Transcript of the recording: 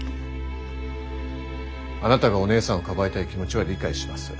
あなたがお姉さんをかばいたい気持ちは理解します。